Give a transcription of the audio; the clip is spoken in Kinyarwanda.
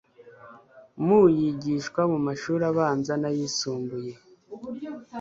mu yigishwa mu mashuri abanza n'ayisumbuye,